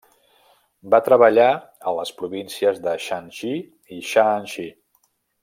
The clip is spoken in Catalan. Va treballar a les províncies de Shanxi i Shaanxi.